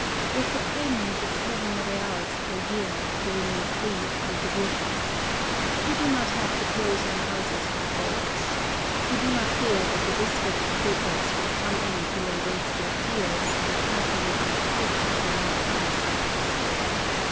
With the payment of seven reals per year, you remain free of contributions. You do not have to close your houses with bolts. You do not fear that the district troopers will come in to lay waste your fields, and trample you under foot at your own firesides.